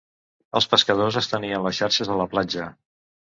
Els pescadors estenien les xarxes a la platja.